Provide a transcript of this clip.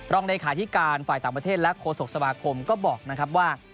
รองเลขาธิการฝ่ายต่างประเทศและโฆษกสมาคมก็บอกนะครับว่า